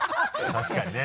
確かにね